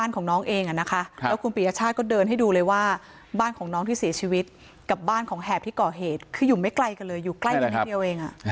แล้วคุณปียชาติก็เดินให้ดูเลยว่าบ้านของน้องที่เสียชีวิตกับบ้านของแหบที่ก่อเหตุคืออยู่ไม่ไกลกันเลยอยู่ใกล้กันนิดเดียวเอง